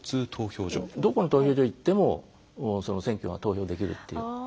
どこの投票所に行っても選挙が投票できるという。